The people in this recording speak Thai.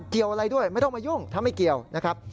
เกี่ยวอะไรด้วยไม่ต้องมายุ่งถ้าไม่เกี่ยวนะครับ